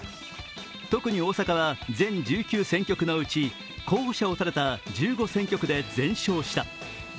特に大阪は全１９選挙区のうち候補者を立てた１５選挙区で全勝した。